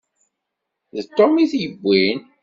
D Tom i t-yewwin.